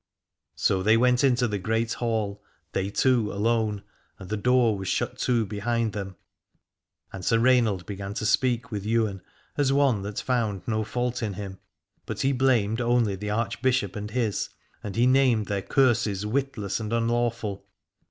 So they went into the Great Hall, they two alone, and the door was shut to behind them. And Sir Rainald began to speak with Ywain as one that found no fault in him, but he blamed only the Archbishop and his, and he named their curses witless and unlawful.